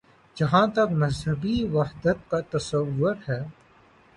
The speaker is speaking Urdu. جہاں تک مذہبی وحدت کا تصور ہے۔